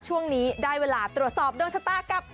ช่วงนี้ได้เวลาตรวจสอบดวงชะตากับ